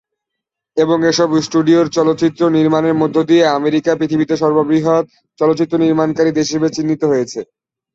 এবং এসব স্টুডিওর চলচ্চিত্র নির্মাণের মধ্য দিয়ে আমেরিকা পৃথিবীতে সর্ববৃহৎ চলচ্চিত্র নির্মাণকারী দেশ হিসেবে চিহ্নিত হয়েছে।